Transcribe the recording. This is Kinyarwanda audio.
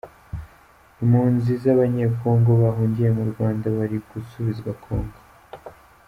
Impunzi z’Abanyecongo bahungiye mu Rwanda bari gusubizwa Congo.